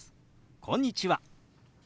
「こんにちは」。